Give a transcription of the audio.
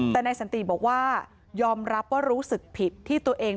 แต่นายสันติบอกว่ายอมรับว่ารู้สึกผิดที่ตัวเอง